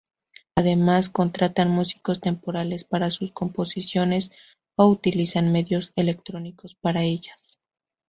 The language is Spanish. Además, contratan músicos temporales para sus composiciones, o utilizan medios electrónicos para ellas.